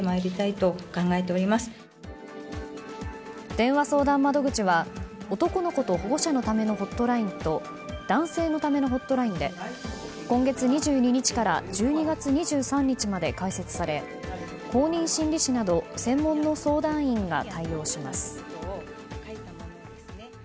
電話相談窓口は、男の子と保護者のためのホットラインと男性のためのホットラインで今月２２日から１２月２３日まで開設され、公認心理師など専門の相談員が対応します。